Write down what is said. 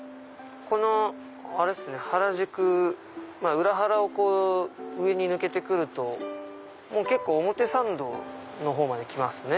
あれっすね原宿裏原を上に抜けて来ると結構表参道のほうまで来ますね。